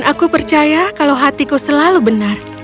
aku percaya kalau hatiku selalu benar